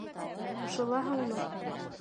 - Ҡушылаһыңмы?